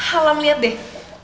alam liat deh